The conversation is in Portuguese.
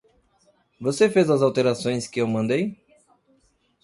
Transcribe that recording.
Você fez as alterações que eu mandei?